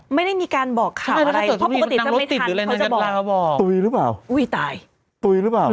ไม่ได้มีการบอกข่าวอะไร